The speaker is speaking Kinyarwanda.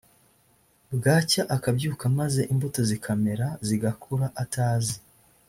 bwacya akabyuka maze imbuto zikamera zigakura atazi